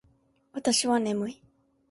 私は眠い